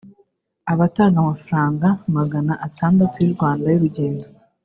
bagatanga amafaranga magana atandatu y’u Rwanda y’urugendo